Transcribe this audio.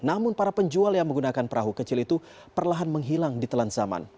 namun para penjual yang menggunakan perahu kecil itu perlahan menghilang di telan zaman